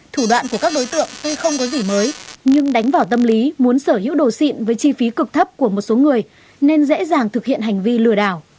thủ đoạn của các đối tượng tuy không có gì mới nhưng đánh vào tâm lý muốn sở hữu đồ sịn với chi phí cực thấp của một số người nên dễ dàng thực hiện hành vi lừa đảo